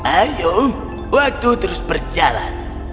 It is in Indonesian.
ayo waktu terus berjalan